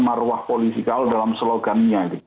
terowak polisikal dalam slogannya